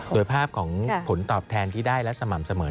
โดยภาพของผลตอบแทนที่ได้และสม่ำเสมอ